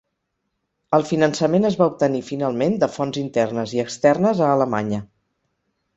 El finançament es va obtenir finalment de fonts internes i externes a Alemanya.